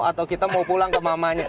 atau kita mau pulang ke mamanya